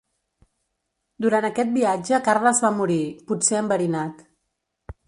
Durant aquest viatge Carles va morir, potser enverinat.